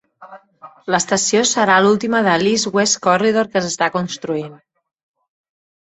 L"estació serà l"última del East West Corridor que s"està construint.